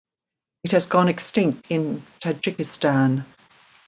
It has gone extinct in Tajikistan.